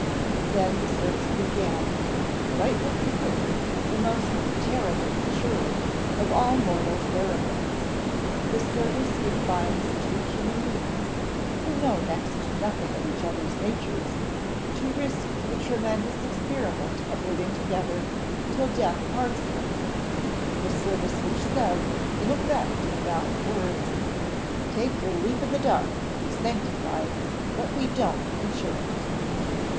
Then the service began rightly considered, the most terrible, surely, of all mortal ceremonies the service which binds two human beings, who know next to nothing of each other's natures, to risk the tremendous experiment of living together till death parts them the service which says, in effect if not in words, Take your leap in the dark: we sanctify, but we don't insure, it!